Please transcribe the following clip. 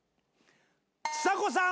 ちさ子さん！